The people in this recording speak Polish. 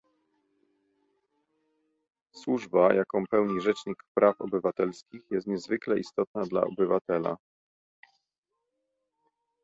Służba, jaką pełni Rzecznik Praw Obywatelskich, jest niezwykle istotna dla obywatela